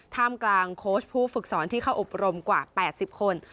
ท่ามกลางโค้ชผู้ฝึกสอนที่เข้าอบรมกว่า๘๐คน